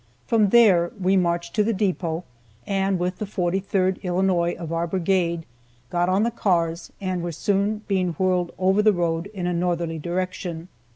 From there we marched to the depot, and with the 43rd Illinois of our brigade got on the cars, and were soon being whirled over the road in a northerly direction.